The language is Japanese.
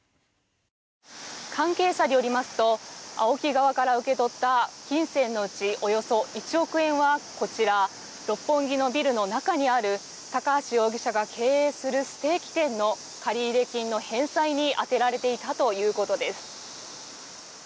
関係者によりますとＡＯＫＩ側から受け取った金銭のうちおよそ１億円はこちら六本木のビルの中にある高橋容疑者が経営するステーキ店の借入金の返済に充てられていたということです。